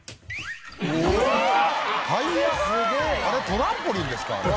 あれトランポリンですか？